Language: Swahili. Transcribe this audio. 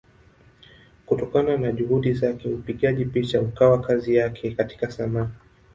Kutokana na Juhudi zake upigaji picha ukawa kazi yake katika Sanaa.